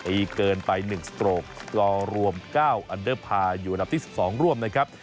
อีกเกินไปหนึ่งสโตรกกอร์รวมเก้าอันเดอร์พาอยู่อันดับสิบสองร่วมนะครับ